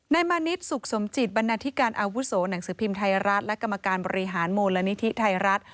มานิดสุขสมจิตบรรณาธิการอาวุโสหนังสือพิมพ์ไทยรัฐและกรรมการบริหารมูลนิธิไทยรัฐ